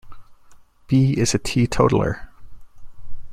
Bee is a teetotaler.